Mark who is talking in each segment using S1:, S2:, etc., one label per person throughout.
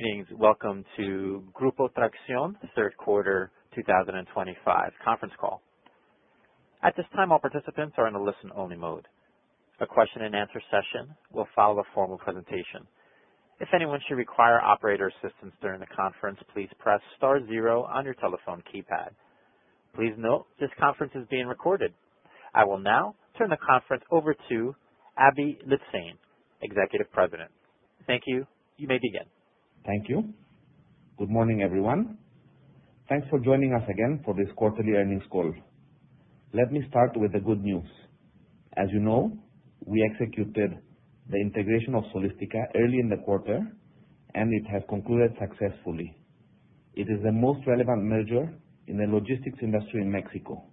S1: Greetings. Welcome to Grupo Traxión, third quarter, 2025, conference call. At this time, all participants are in a listen-only mode. A question-and-answer session will follow a formal presentation. If anyone should require operator assistance during the conference, please press star zero on your telephone keypad. Please note this conference is being recorded. I will now turn the conference over to Aby Lijtszain, Executive President. Thank you. You may begin.
S2: Thank you. Good morning, everyone. Thanks for joining us again for this quarterly earnings call. Let me start with the good news. As you know, we executed the integration of Solistica early in the quarter, and it has concluded successfully. It is the most relevant merger in the logistics industry in Mexico,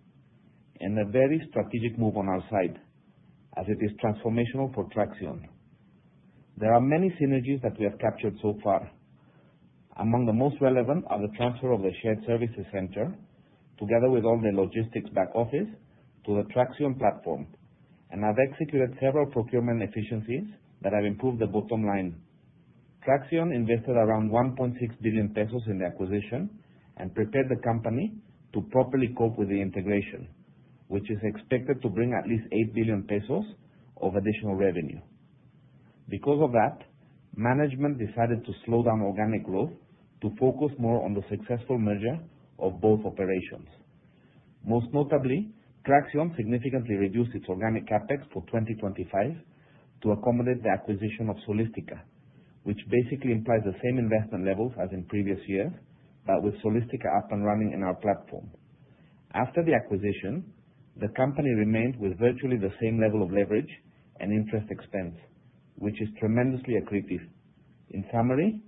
S2: and a very strategic move on our side, as it is transformational for Traxión. There are many synergies that we have captured so far. Among the most relevant are the transfer of the shared services center, together with all the logistics back office, to the Traxión platform, and have executed several procurement efficiencies that have improved the bottom line. Traxión invested around 1.6 billion pesos in the acquisition and prepared the company to properly cope with the integration, which is expected to bring at least 8 billion pesos of additional revenue. Because of that, management decided to slow down organic growth to focus more on the successful merger of both operations. Most notably, Traxión significantly reduced its organic Capex for 2025 to accommodate the acquisition of Solistica, which basically implies the same investment levels as in previous years, but with Solistica up and running in our platform. After the acquisition, the company remained with virtually the same level of leverage and interest expense, which is tremendously accretive. In summary,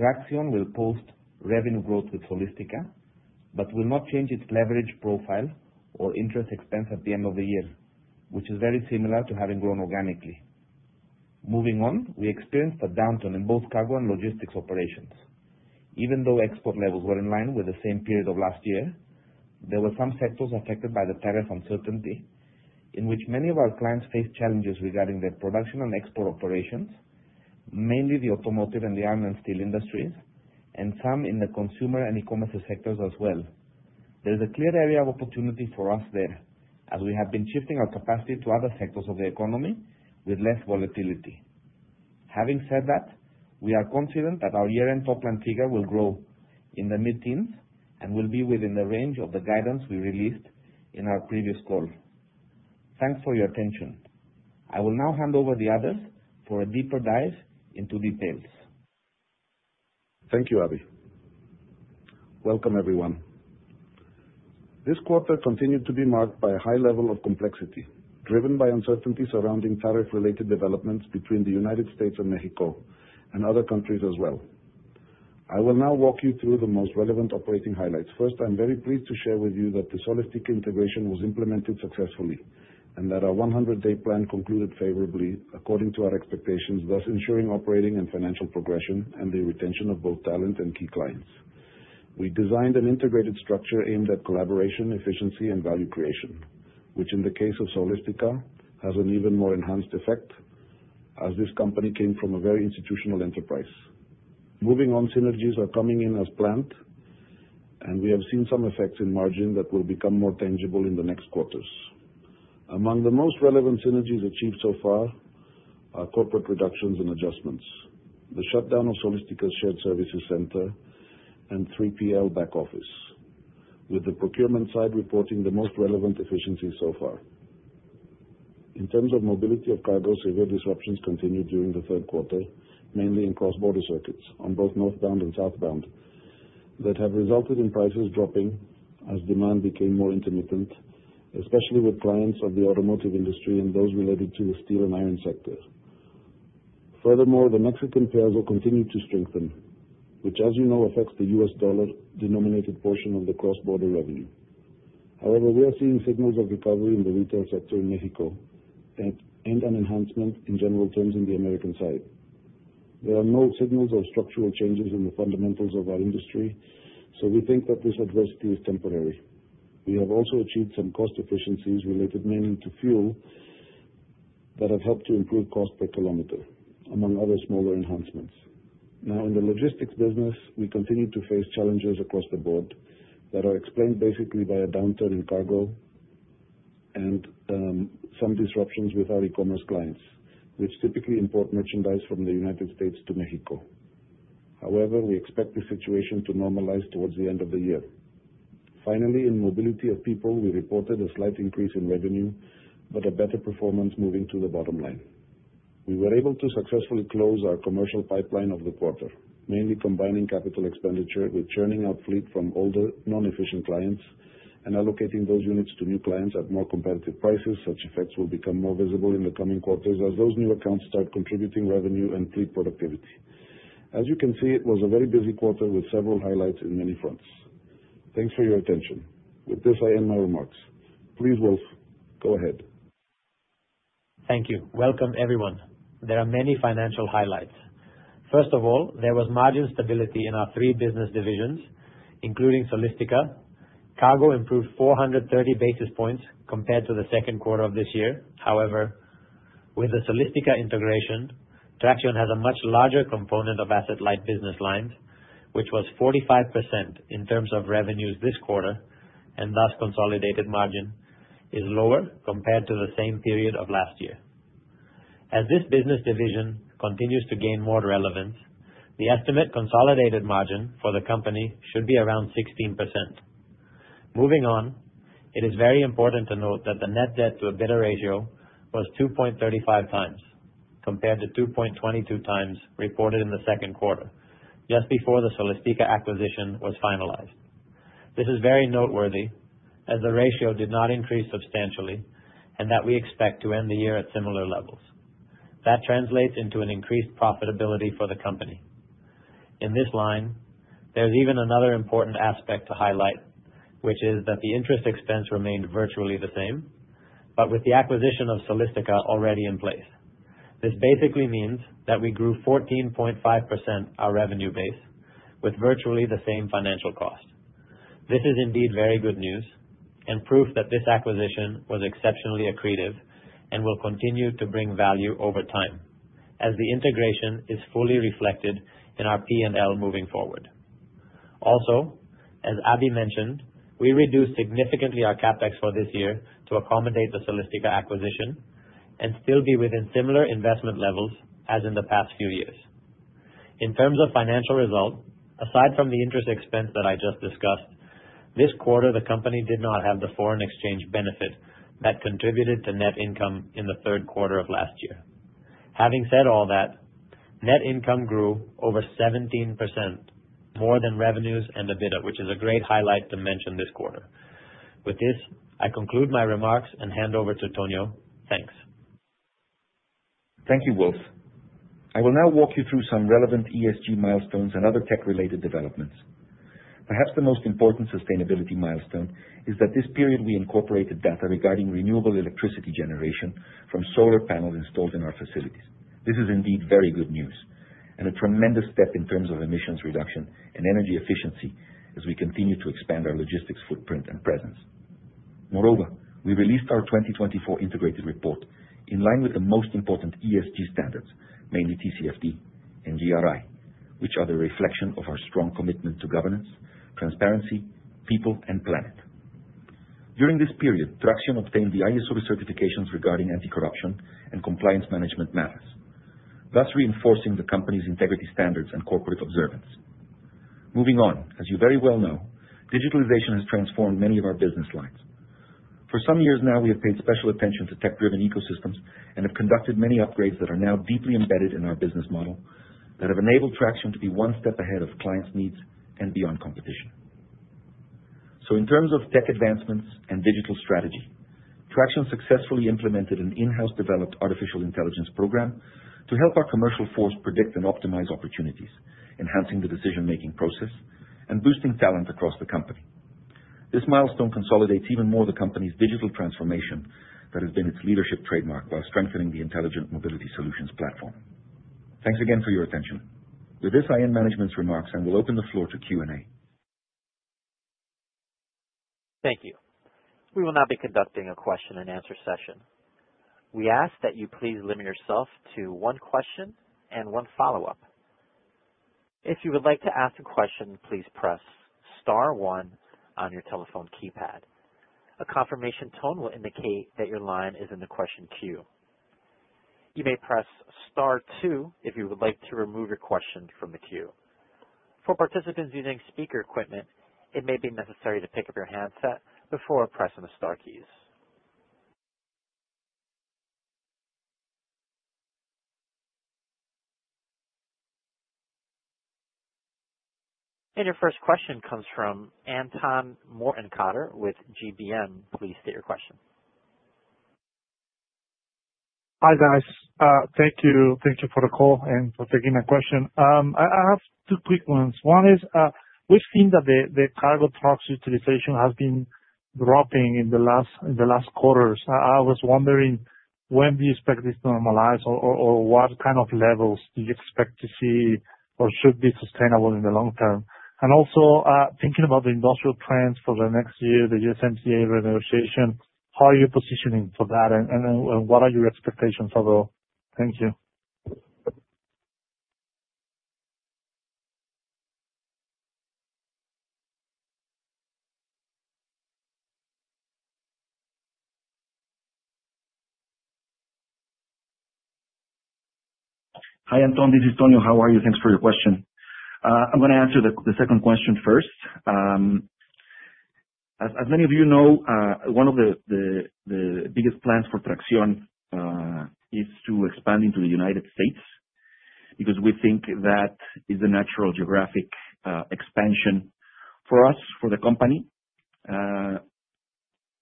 S2: Traxión will post revenue growth with Solistica, but will not change its leverage profile or interest expense at the end of the year, which is very similar to having grown organically. Moving on, we experienced a downturn in both cargo and logistics operations. Even though export levels were in line with the same period of last year, there were some sectors affected by the tariff uncertainty, in which many of our clients faced challenges regarding their production and export operations, mainly the automotive and the iron and steel industries, and some in the consumer and e-commerce sectors as well. There is a clear area of opportunity for us there, as we have been shifting our capacity to other sectors of the economy with less volatility. Having said that, we are confident that our year-end top-line figure will grow in the mid-teens and will be within the range of the guidance we released in our previous call. Thanks for your attention. I will now hand over to the others for a deeper dive into details.
S3: Thank you, Aby. Welcome, everyone. This quarter continued to be marked by a high level of complexity, driven by uncertainties surrounding tariff-related developments between the United States and Mexico, and other countries as well. I will now walk you through the most relevant operating highlights. First, I'm very pleased to share with you that the Solistica integration was implemented successfully, and that our 100-day plan concluded favorably, according to our expectations, thus ensuring operating and financial progression, and the retention of both talent and key clients. We designed an integrated structure aimed at collaboration, efficiency, and value creation, which, in the case of Solistica, has an even more enhanced effect, as this company came from a very institutional enterprise. Moving on, synergies are coming in as planned, and we have seen some effects in margin that will become more tangible in the next quarters. Among the most relevant synergies achieved so far are corporate reductions and adjustments, the shutdown of Solistica's shared services center, and 3PL back office, with the procurement side reporting the most relevant efficiencies so far. In terms of mobility of cargo, severe disruptions continued during the third quarter, mainly in cross-border circuits, on both northbound and southbound, that have resulted in prices dropping as demand became more intermittent, especially with clients of the automotive industry and those related to the steel and iron sector. Furthermore, the Mexican pesos will continue to strengthen, which, as you know, affects the US dollar-denominated portion of the cross-border revenue. However, we are seeing signals of recovery in the retail sector in Mexico and an enhancement in general terms in the American side. There are no signals of structural changes in the fundamentals of our industry, so we think that this adversity is temporary. We have also achieved some cost efficiencies related mainly to fuel that have helped to improve cost per kilometer, among other smaller enhancements. Now, in the logistics business, we continue to face challenges across the board that are explained basically by a downturn in cargo and some disruptions with our e-commerce clients, which typically import merchandise from the United States to Mexico. However, we expect this situation to normalize towards the end of the year. Finally, in mobility of people, we reported a slight increase in revenue, but a better performance moving to the bottom line. We were able to successfully close our commercial pipeline of the quarter, mainly combining capital expenditure with churning out fleet from older, non-efficient clients and allocating those units to new clients at more competitive prices. Such effects will become more visible in the coming quarters as those new accounts start contributing revenue and fleet productivity. As you can see, it was a very busy quarter with several highlights in many fronts. Thanks for your attention. With this, I end my remarks. Please, Wolf, go ahead.
S4: Thank you. Welcome, everyone. There are many financial highlights. First of all, there was margin stability in our three business divisions, including Solistica. Cargo improved 430 basis points compared to the second quarter of this year. However, with the Solistica integration, Traxión has a much larger component of asset-light business lines, which was 45% in terms of revenues this quarter, and thus consolidated margin is lower compared to the same period of last year. As this business division continues to gain more relevance, the estimate consolidated margin for the company should be around 16%. Moving on, it is very important to note that the net debt-to-EBITDA ratio was 2.35 times compared to 2.22 times reported in the second quarter, just before the Solistica acquisition was finalized. This is very noteworthy as the ratio did not increase substantially and that we expect to end the year at similar levels. That translates into an increased profitability for the company. In this line, there's even another important aspect to highlight, which is that the interest expense remained virtually the same, but with the acquisition of Solistica already in place. This basically means that we grew 14.5% our revenue base with virtually the same financial cost. This is indeed very good news and proof that this acquisition was exceptionally accretive and will continue to bring value over time, as the integration is fully reflected in our P&L moving forward. Also, as Aby mentioned, we reduced significantly our Capex for this year to accommodate the Solistica acquisition and still be within similar investment levels as in the past few years. In terms of financial result, aside from the interest expense that I just discussed, this quarter the company did not have the foreign exchange benefit that contributed to net income in the third quarter of last year. Having said all that, net income grew over 17% more than revenues and EBITDA, which is a great highlight to mention this quarter. With this, I conclude my remarks and hand over to Tonio. Thanks.
S5: Thank you, Wolf. I will now walk you through some relevant ESG milestones and other tech-related developments. Perhaps the most important sustainability milestone is that this period we incorporated data regarding renewable electricity generation from solar panels installed in our facilities. This is indeed very good news and a tremendous step in terms of emissions reduction and energy efficiency as we continue to expand our logistics footprint and presence. Moreover, we released our 2024 integrated report in line with the most important ESG standards, mainly TCFD and GRI, which are the reflection of our strong commitment to governance, transparency, people, and planet. During this period, Traxión obtained the ISO certifications regarding anti-corruption and compliance management matters, thus reinforcing the company's integrity standards and corporate observance. Moving on, as you very well know, digitalization has transformed many of our business lines. For some years now, we have paid special attention to tech-driven ecosystems and have conducted many upgrades that are now deeply embedded in our business model that have enabled Traxión to be one step ahead of clients' needs and beyond competition. So, in terms of tech advancements and digital strategy, Traxión successfully implemented an in-house developed artificial intelligence program to help our commercial force predict and optimize opportunities, enhancing the decision-making process and boosting talent across the company. This milestone consolidates even more the company's digital transformation that has been its leadership trademark by strengthening the intelligent mobility solutions platform. Thanks again for your attention. With this, I end management's remarks and will open the floor to Q&A.
S1: Thank you. We will now be conducting a question-and-answer session. We ask that you please limit yourself to one question and one follow-up. If you would like to ask a question, please press star one on your telephone keypad. A confirmation tone will indicate that your line is in the question queue. You may press star two if you would like to remove your question from the queue. For participants using speaker equipment, it may be necessary to pick up your handset before pressing the star keys. And your first question comes from Anton Morton Cotter with GBM. Please state your question.
S6: Hi, guys. Thank you for the call and for taking my question. I have two quick ones. One is, we've seen that the cargo trucks utilization has been dropping in the last quarters. I was wondering, when do you expect this to normalize, or what kind of levels do you expect to see, or should be sustainable in the long term? And also, thinking about the industrial trends for the next year, the USMCA renegotiation, how are you positioning for that, and what are your expectations overall? Thank you.
S5: Hi, Anton. This is Tonio. How are you? Thanks for your question. I'm going to answer the second question first. As many of you know, one of the biggest plans for Traxión is to expand into the United States because we think that is the natural geographic expansion for us, for the company.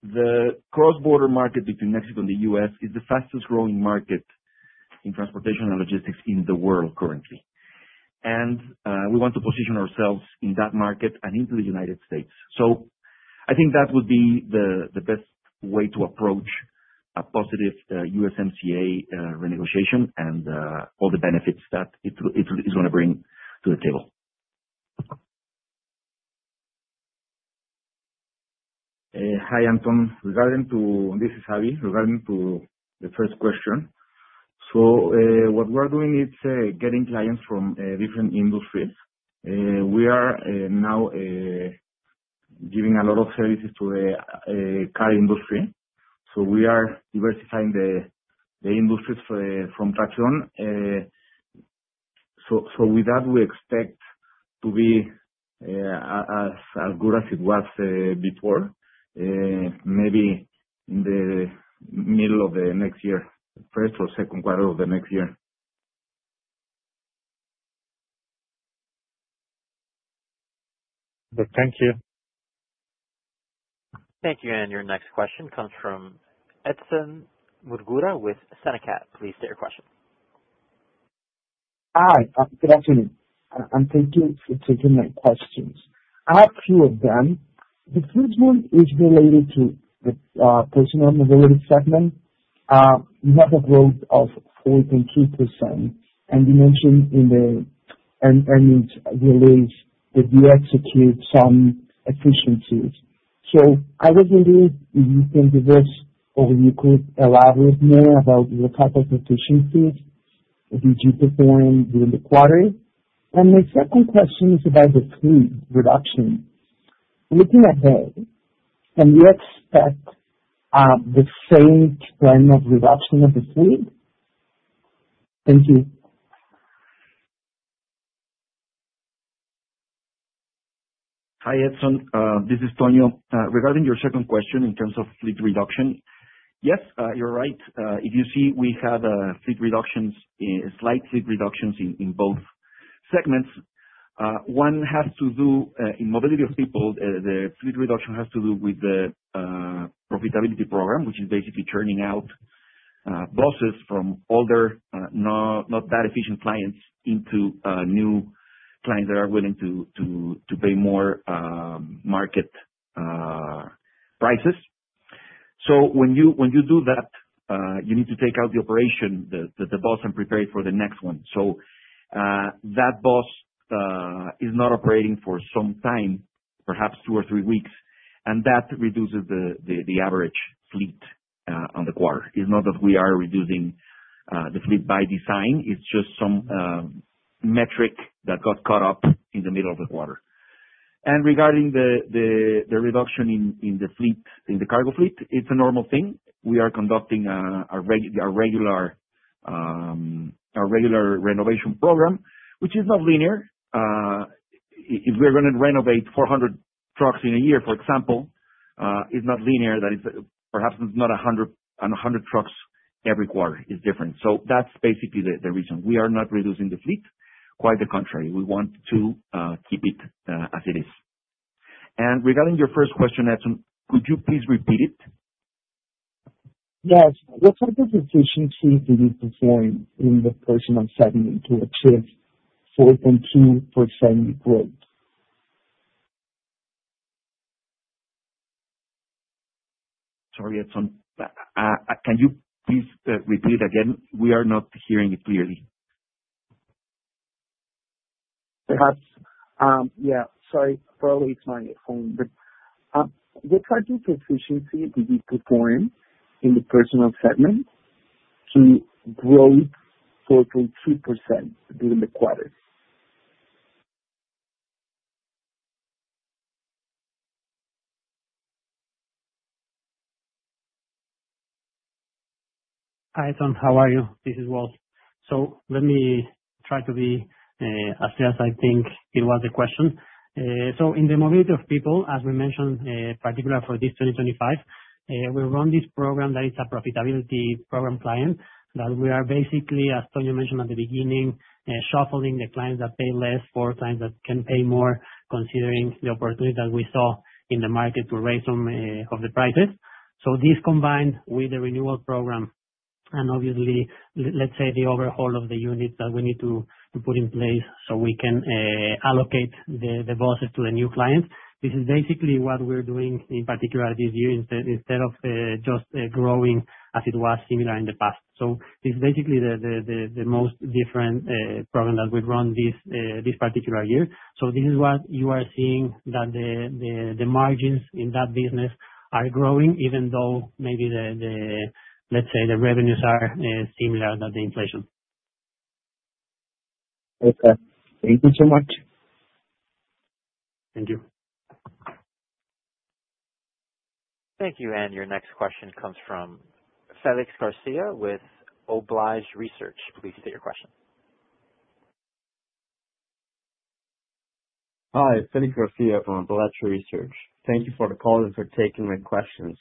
S5: The cross-border market between Mexico and the U.S. is the fastest-growing market in transportation and logistics in the world currently. And we want to position ourselves in that market and into the United States. So, I think that would be the best way to approach a positive USMCA renegotiation and all the benefits that it's going to bring to the table. Hi, Anton. This is Aby. Regarding to the first question, so what we're doing is getting clients from different industries. We are now giving a lot of services to the car industry. We are diversifying the industries from Traxión. With that, we expect to be as good as it was before, maybe in the middle of the next year, first or second quarter of the next year.
S6: Thank you.
S1: Thank you. And your next question comes from Edson Munguía with Summa Capital. Please state your question.
S7: Hi. Good afternoon, and thank you for taking my questions. I have two of them. The first one is related to the People Mobility segment. We have a growth of 42%, and you mentioned in the earnings release that you execute some efficiencies, so I was wondering if you can give us, or you could elaborate more about what type of efficiencies did you perform during the quarter? and my second question is about the fleet reduction. Looking ahead, can you expect the same kind of reduction of the fleet? Thank you.
S5: Hi, Edson. This is Tonio. Regarding your second question in terms of fleet reduction, yes, you're right. If you see, we have slight fleet reductions in both segments. One has to do with mobility of people, the fleet reduction has to do with the profitability program, which is basically churning out buses from older, not that efficient clients into new clients that are willing to pay more market prices, so when you do that, you need to take out the operation, the bus, and prepare it for the next one, so that bus is not operating for some time, perhaps two or three weeks, and that reduces the average fleet on the quarter. It's not that we are reducing the fleet by design. It's just some metric that got caught up in the middle of the quarter, and regarding the reduction in the cargo fleet, it's a normal thing. We are conducting our regular renovation program, which is not linear. If we're going to renovate 400 trucks in a year, for example, it's not linear that it's perhaps not 100 trucks every quarter. It's different. So, that's basically the reason. We are not reducing the fleet. Quite the contrary. We want to keep it as it is, and regarding your first question, Edson, could you please repeat it?
S7: Yes. What type of efficiency did you perform in the personal segment to achieve 42% growth?
S5: Sorry, Edson. Can you please repeat it again? We are not hearing you clearly.
S7: Perhaps. Yeah. Sorry. Probably it's my phone. What type of efficiency did you perform in the people segment to grow 42% during the quarter?
S4: Hi, Edson. How are you? This is Wolf, so let me try to be as clear as I think it was the question, so in the People Mobility, as we mentioned, particularly for this 2025, we run this program that is a profitability program client that we are basically, as Tonio mentioned at the beginning, shuffling the clients that pay less for clients that can pay more, considering the opportunity that we saw in the market to raise some of the prices, so this combined with the renewal program and obviously, let's say, the overhaul of the units that we need to put in place so we can allocate the buses to the new clients, this is basically what we're doing in particular this year instead of just growing as it was similar in the past, so it's basically the most different program that we've run this particular year. So, this is what you are seeing, that the margins in that business are growing, even though maybe, let's say, the revenues are similar to the inflation. Okay. Thank you so much.
S2: Thank you.
S1: Thank you. And your next question comes from Felix Garcia with Apalache Research. Please state your question.
S8: Hi. Felix Garcia from Apalache Análisis. Thank you for the call and for taking my questions.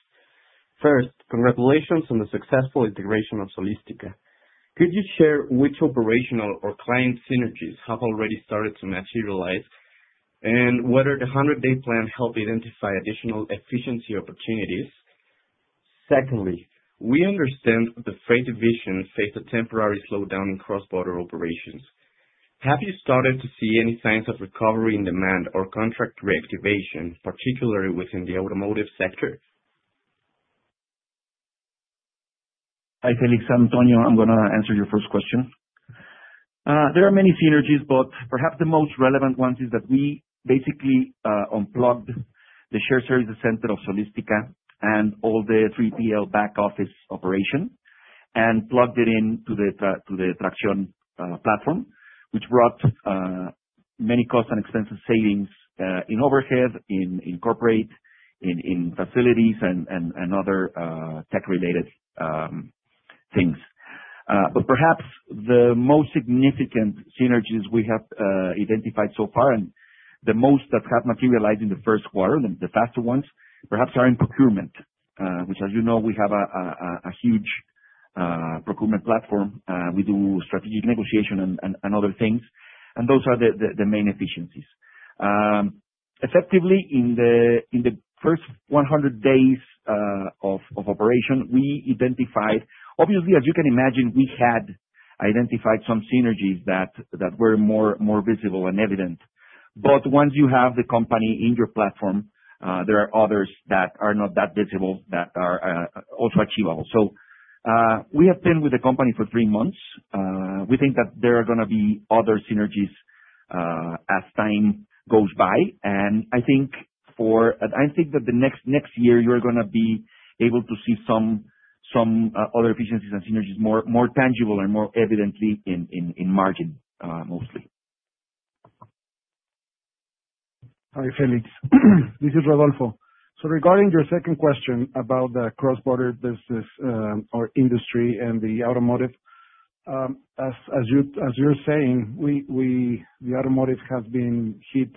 S8: First, congratulations on the successful integration of Solistica. Could you share which operational or client synergies have already started to materialize, and whether the 100-day plan helped identify additional efficiency opportunities? Secondly, we understand the freight division faced a temporary slowdown in cross-border operations. Have you started to see any signs of recovery in demand or contract reactivation, particularly within the automotive sector?
S5: Hi, Felix. I'm Tonio. I'm going to answer your first question. There are many synergies, but perhaps the most relevant one is that we basically unplugged the shared services center of Solistica and all the 3PL back office operation and plugged it into the Traxión platform, which brought many costs and expenses savings in overhead, in corporate, in facilities, and other tech-related things. But perhaps the most significant synergies we have identified so far, and the most that have materialized in the first quarter, the faster ones, perhaps are in procurement, which, as you know, we have a huge procurement platform. We do strategic negotiation and other things. And those are the main efficiencies. Effectively, in the first 100 days of operation, we identified, obviously, as you can imagine, we had identified some synergies that were more visible and evident. But once you have the company in your platform, there are others that are not that visible that are also achievable. So, we have been with the company for three months. We think that there are going to be other synergies as time goes by. And I think that the next year, you're going to be able to see some other efficiencies and synergies more tangible and more evidently in margin, mostly.
S3: Hi, Felix. This is Rodolfo. So, regarding your second question about the cross-border business or industry and the automotive, as you're saying, the automotive has been hit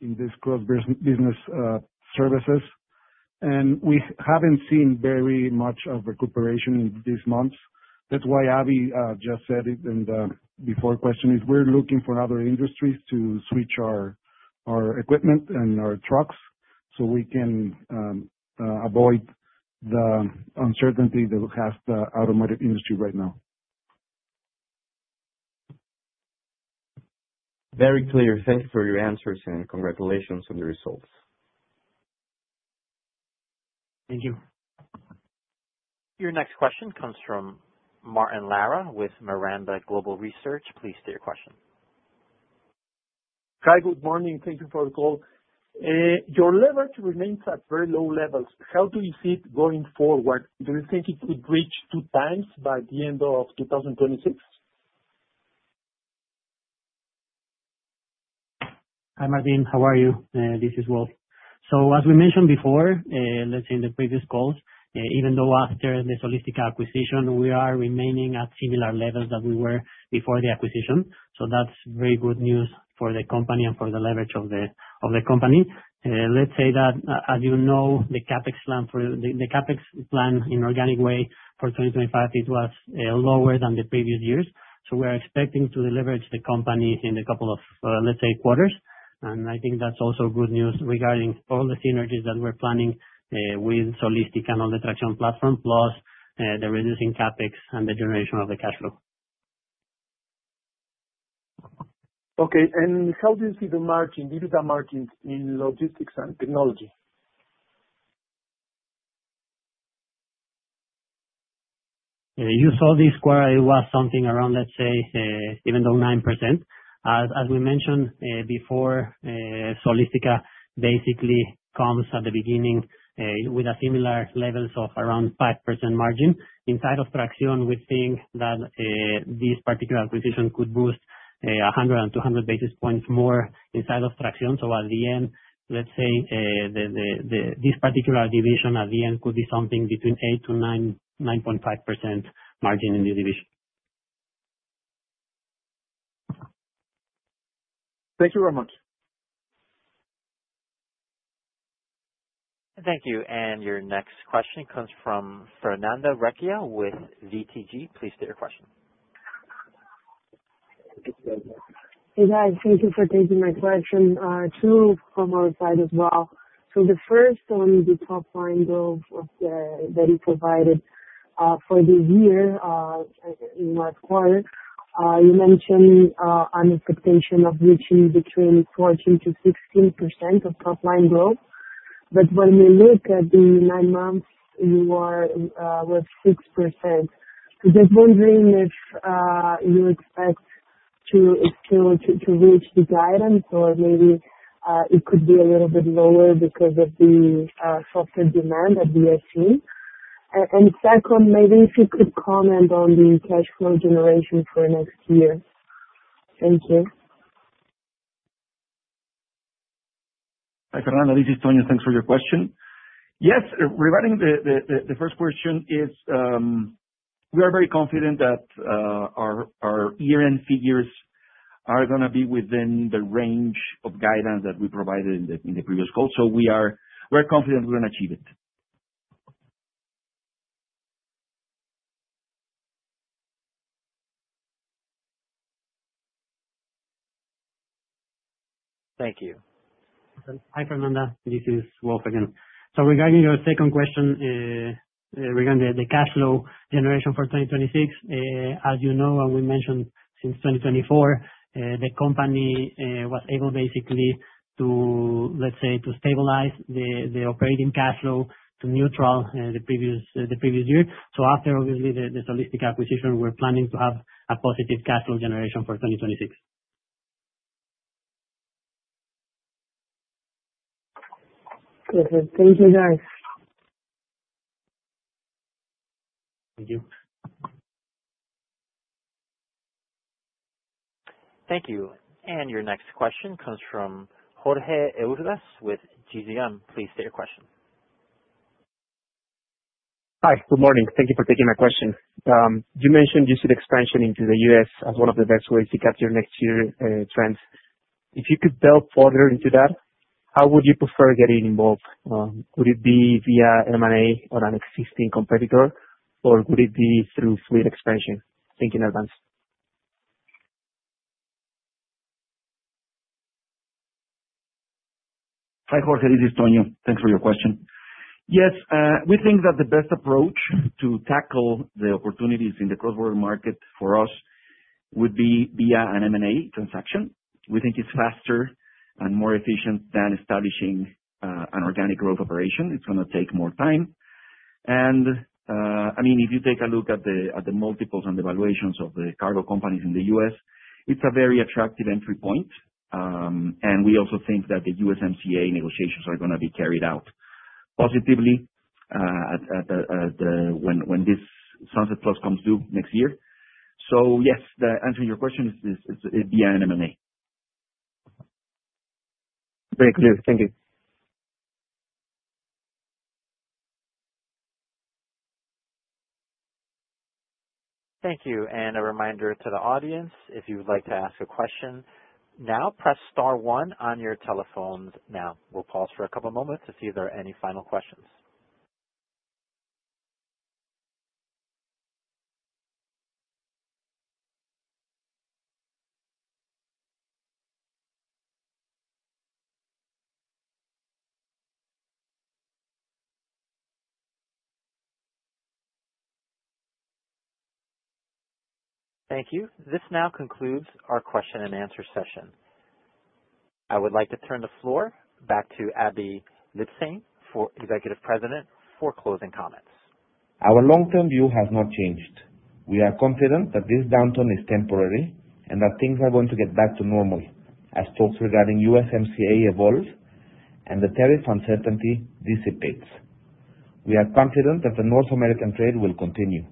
S3: in this cross-border business services, and we haven't seen very much of recuperation in these months. That's why Aby just said it in the before question, is we're looking for other industries to switch our equipment and our trucks so we can avoid the uncertainty that has the automotive industry right now.
S8: Very clear. Thank you for your answers, and congratulations on the results.
S5: Thank you.
S1: Your next question comes from Martin Lara with Miranda Global Research. Please state your question.
S9: Hi. Good morning. Thank you for the call. Your leverage remains at very low levels. How do you see it going forward? Do you think it could reach two times by the end of 2026?
S4: Hi, Martin. How are you? This is Wolf. So, as we mentioned before, let's say in the previous calls, even though after the Solistica acquisition, we are remaining at similar levels that we were before the acquisition. So, that's very good news for the company and for the leverage of the company. Let's say that, as you know, the CapEx plan in organic way for 2025, it was lower than the previous years. So, we are expecting to leverage the company in a couple of, let's say, quarters. And I think that's also good news regarding all the synergies that we're planning with Solistica and all the Traxión platform, plus the reducing CapEx and the generation of the cash flow.
S9: Okay. And how do you see the margin? Digital margins in Logistics and Technology?
S4: You saw this quarter, it was something around, let's say, even though 9%. As we mentioned before, Solistica basically comes at the beginning with similar levels of around 5% margin. Inside of Traxión, we think that this particular acquisition could boost 100 and 200 basis points more inside of Traxión. So, at the end, let's say this particular division at the end could be something between 8%-9.5% margin in the division.
S9: Thank you very much.
S1: Thank you. And your next question comes from Fernanda Recchia with BTG Pactual. Please state your question.
S10: Hi, thank you for taking my question. Two from our side as well. So, the first on the top-line growth that you provided for the year in last quarter, you mentioned an expectation of reaching between 14%-16% of top-line growth. But when we look at the nine months, you are with 6%. So, just wondering if you expect to reach the guidance, or maybe it could be a little bit lower because of the softer demand that we have seen? And second, maybe if you could comment on the cash flow generation for next year? Thank you.
S5: Hi, Fernanda. This is Tonio. Thanks for your question. Yes. Regarding the first question, we are very confident that our year-end figures are going to be within the range of guidance that we provided in the previous call. So, we are confident we're going to achieve it.
S4: Thank you. Hi, Fernanda. This is Wolf again. So, regarding your second question regarding the cash flow generation for 2026, as you know, and we mentioned since 2024, the company was able basically to, let's say, to stabilize the operating cash flow to neutral the previous year. So, after, obviously, the Solistica acquisition, we're planning to have a positive cash flow generation for 2026.
S10: Perfect. Thank you, guys.
S5: Thank you.
S1: Thank you. And your next question comes from Jorge Urdas with GBM. Please state your question.
S11: Hi. Good morning. Thank you for taking my question. You mentioned you see the expansion into the U.S. as one of the best ways to capture next year's trends. If you could delve further into that, how would you prefer getting involved? Would it be via M&A on an existing competitor, or would it be through fleet expansion? Think in advance.
S5: Hi, Jorge. This is Tonio. Thanks for your question. Yes. We think that the best approach to tackle the opportunities in the cross-border market for us would be via an M&A transaction. We think it's faster and more efficient than establishing an organic growth operation. It's going to take more time. And I mean, if you take a look at the multiples and the valuations of the cargo companies in the U.S., it's a very attractive entry point. And we also think that the USMCA negotiations are going to be carried out positively when this Sunset Plus comes due next year. So, yes, the answer to your question is via an M&A.
S11: Very clear. Thank you.
S1: Thank you, and a reminder to the audience, if you'd like to ask a question, now press star one on your telephones now. We'll pause for a couple of moments to see if there are any final questions. Thank you. This now concludes our question-and-answer session. I would like to turn the floor back to Aby Lijtszain, Executive President, for closing comments.
S2: Our long-term view has not changed. We are confident that this downturn is temporary and that things are going to get back to normal as talks regarding USMCA evolve and the tariff uncertainty dissipates. We are confident that the North American trade will continue.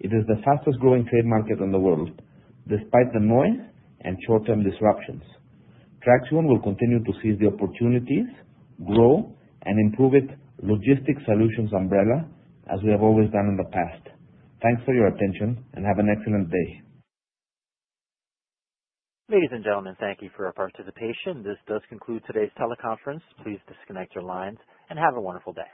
S2: It is the fastest-growing trade market in the world, despite the noise and short-term disruptions. Traxión will continue to seize the opportunities, grow, and improve its logistics solutions umbrella, as we have always done in the past. Thanks for your attention, and have an excellent day.
S1: Ladies and gentlemen, thank you for your participation. This does conclude today's teleconference. Please disconnect your lines and have a wonderful day.